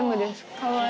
かわいい。